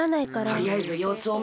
とりあえずようすをみるか。